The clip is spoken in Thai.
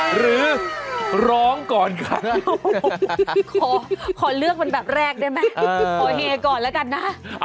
ขอเหก่อนแล้วกันนะ